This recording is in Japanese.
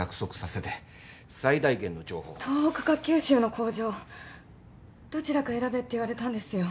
東北か九州の工場どちらか選べって言われたんですよ。